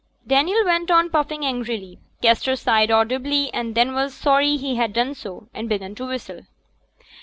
Daniel went on puffing angrily. Kester sighed audibly, and then was sorry he had done so, and began to whistle.